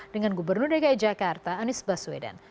dengan gubernur dki jakarta anies baswedan